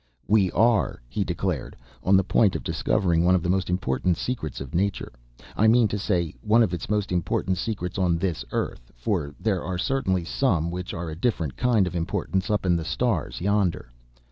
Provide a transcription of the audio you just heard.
"We are," he declared, "on the point of discovering one of the most important secrets of nature, I mean to say, one of its most important secrets on this earth, for there are certainly some which are of a different kind of importance up in the stars, yonder.